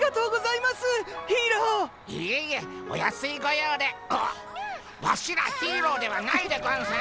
いえいえお安い御用であっワシらヒーローではないでゴンス。